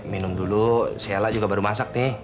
minum dulu shela juga baru masak nih